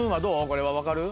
これは分かる？